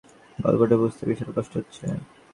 গল্পটা বুঝতে বিশাল কষ্ট হচ্ছে।